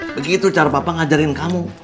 begitu cara bapak ngajarin kamu